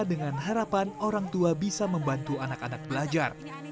dengan harapan orang tua bisa membantu anak anak belajar